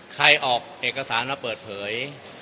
ใครออกเอกสารมาเปิดเผย